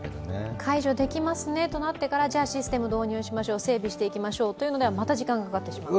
解除できますとなってから、システムを導入しましょう、整備していきましょうというのでは、また時間がかかってしまう。